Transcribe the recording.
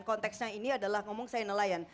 konteksnya ini adalah ngomong saya nelayan